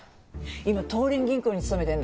今東林銀行に勤めてんだって。